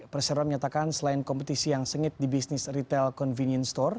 persero menyatakan selain kompetisi yang sengit di bisnis retail convenience store